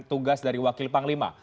tugas dari wakil panglima